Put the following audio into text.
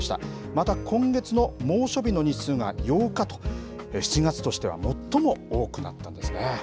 また今月の猛暑日の日数が８日と、７月としては最も多くなったんですね。